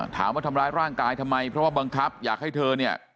ถามว่าทำร้ายร่างกายทำไมเพราะว่าบังคับอยากให้เธอเนี่ย